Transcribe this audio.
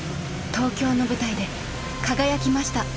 東京の舞台で輝きました。